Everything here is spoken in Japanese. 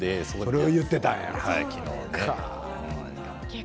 それを言ってたんですね。